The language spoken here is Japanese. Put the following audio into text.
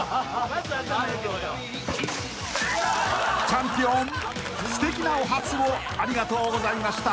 ［チャンピオンすてきなお初をありがとうございました］